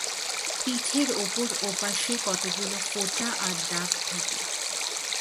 পিঠের ওপর ও পাশে কতগুলো ফোঁটা আর দাগ থাকে।